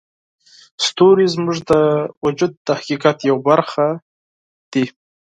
ستوري زموږ د وجود د حقیقت یوه برخه دي.